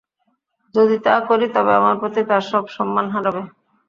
যদি তা করি, তবে আমার প্রতি তার সব সম্মান হারাবে।